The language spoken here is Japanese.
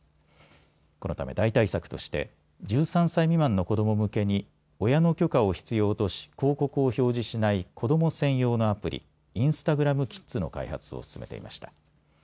このため代替策として１３歳未満の子ども向けに親の許可を必要とし広告を表示しない子ども専用のアプリ、インスタグラム・キッズの開発を進めていました。